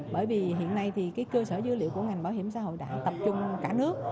bởi vì hiện nay thì cơ sở dữ liệu của ngành bảo hiểm xã hội đã tập trung cả nước